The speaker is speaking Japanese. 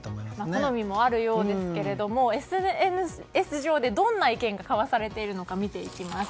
好みもあるようですけどＳＮＳ上でどんな意見が交わされていくのか見ていきます。